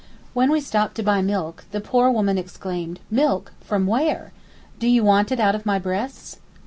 When we stopped to buy milk, the poor woman exclaimed: 'Milk! from where? Do you want it out of my breasts?